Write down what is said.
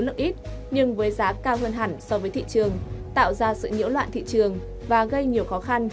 lượng ít nhưng với giá cao hơn hẳn so với thị trường tạo ra sự nhiễu loạn thị trường và gây nhiều khó khăn